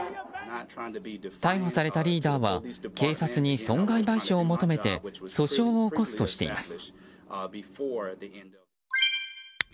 逮捕されたリーダーは警察に損害賠償を求めて訴訟を起こすとしています。